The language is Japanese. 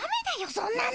そんなの。